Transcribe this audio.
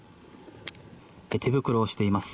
手袋をしています。